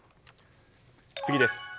次です。